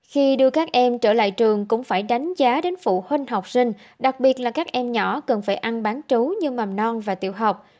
khi đưa các em trở lại trường cũng phải đánh giá đến phụ huynh học sinh đặc biệt là các em nhỏ cần phải ăn bán trú như mầm non và tiểu học